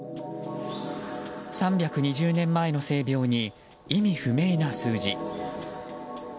３２０年前の聖廟に意味不明な数字。